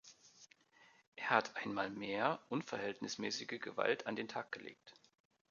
Er hat einmal mehr unverhältnismäßige Gewalt an den Tag gelegt.